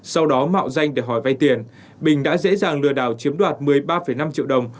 sau đó mạo danh để hỏi vay tiền bình đã dễ dàng lừa đảo chiếm đoạt một mươi ba năm triệu đồng